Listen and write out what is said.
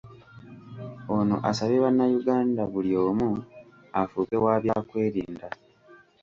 Ono asabye Bannayuganda buli omu afuuke wa byakwerinda.